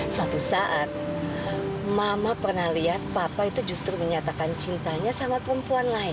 suatu saat mama pernah lihat papa itu justru menyatakan cintanya sama perempuan lain